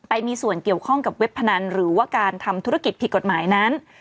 ไปมีส่วนเกี่ยวข้องกับเว็บพนันหรือว่าการทำธุรกิจผิดกฎหมายนั้น